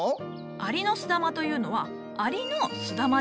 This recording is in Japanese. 「アリノスダマ」というのは「アリの巣玉」じゃ。